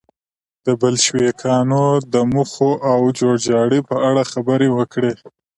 د بلشویکانو د موخو او جوړجاړي په اړه خبرې وکړي.